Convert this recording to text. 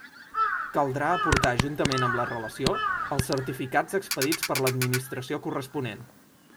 Caldrà aportar juntament amb la relació, els certificats expedits per l'Administració corresponent.